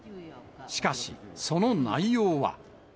しかしその内容は。